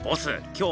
今日